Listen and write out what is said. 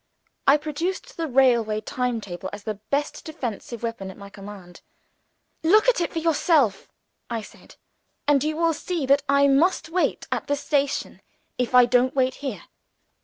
I produced the railway time table as the best defensive weapon at my command. "Look at it for yourself," I said; "and you will see that I must wait at the station, if I don't wait here."